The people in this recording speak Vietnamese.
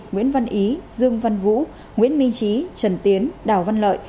nguyễn văn ý dương văn vũ nguyễn minh trí trần tiến đào văn lợi